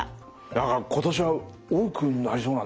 何か今年は多くなりそうなんですって？